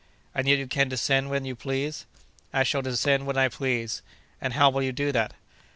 "And yet you can descend when you please?" "I shall descend when I please." "And how will you do that?"